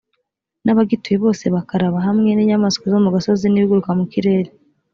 n abagituye bose bakaraba hamwe n inyamaswa zo mu gasozi n ibiguruka mu kirere